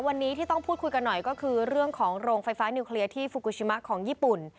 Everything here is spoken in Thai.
วันนี้ที่ต้องพูดคุยกันหน่อยก็คือเรื่องของโรงไฟฟ้านิวเคลียร์ที่ฟูกูชิมะของญี่ปุ่น